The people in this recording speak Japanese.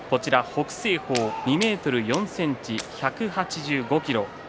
北青鵬２ｍ４ｃｍ、１８５ｋｇ